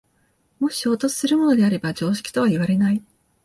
もし衝突するものであれば常識とはいわれない。